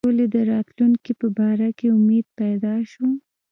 د سولي د راتلونکي په باره کې امید پیدا شو.